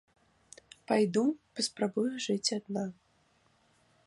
Пайду, паспрабую жыць адна.